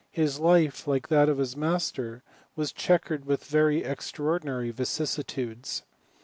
His life, like that of his master, was checkered with very extra ordinary vicissitudes.